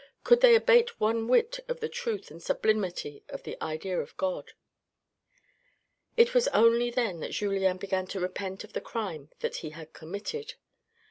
Could they abate one whit of the truth and sublimity of the idea of God ? It was only then that Julien began to repent of the crime that he had committed.